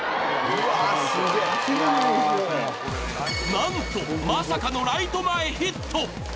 なんと、まさかのライト前ヒット